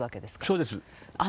そうです。